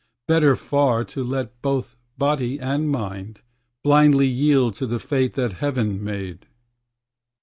Better far to let both body and mind Blindly yield to the fate that Heaven made.